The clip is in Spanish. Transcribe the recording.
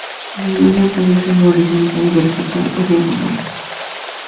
La imagen puede ser horizontal, vertical o diagonal.